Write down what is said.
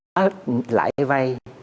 hết lãi vay